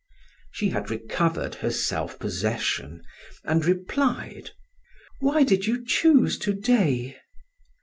She had recovered her self possession and replied: "Why did you choose to day?"